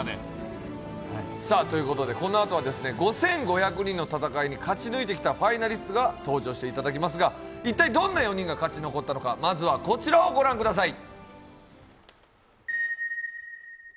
このあとは５５００人の戦いに勝ち抜いてきたファイナリストに登場していただきますが一体どんな４人が勝ち残ったのか、まずはこちらを御覧ください。